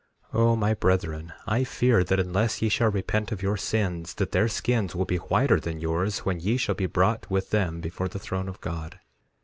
3:8 O my brethren, I fear that unless ye shall repent of your sins that their skins will be whiter than yours, when ye shall be brought with them before the throne of God.